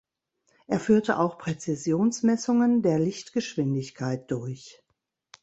Er führte auch Präzisionsmessungen der Lichtgeschwindigkeit durch.